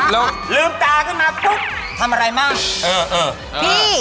แล้วลืมตาถึงมาปุ๊บทำอะไรบ้าง